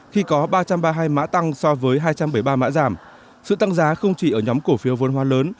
khi có ba trăm ba mươi hai mã tăng so với hai trăm bảy mươi ba mã giảm sự tăng giá không chỉ ở nhóm cổ phiếu vôn hoa lớn